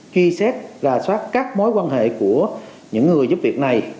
ghi xét và xoát các mối quan hệ của những người giúp việc này